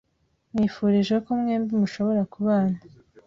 Nkwifurije ko mwembi mushobora kubana.